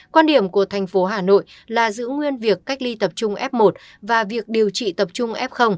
quan điểm của thành phố hà nội là giữ nguyên việc cách ly tập trung f một và việc điều trị tập trung f